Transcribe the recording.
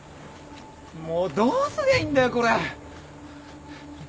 もうどうすりゃいいんだよこれ。